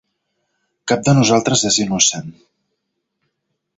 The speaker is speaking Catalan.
Cap de nosaltres és innocent.